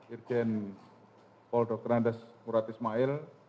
irjen paul dr andes murat ismail